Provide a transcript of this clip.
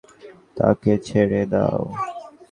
তাকে ছেড়ে দাও।